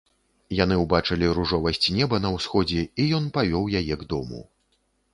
Яны ўбачылі ружовасць неба на ўсходзе, і ён павёў яе к дому.